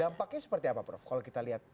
dampaknya seperti apa prof kalau kita lihat